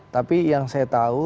tapi yang saya tahu